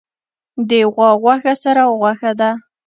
د غوا غوښه سره غوښه ده